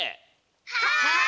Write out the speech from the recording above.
はい！